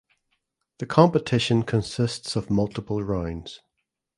The competition consists of multiple rounds.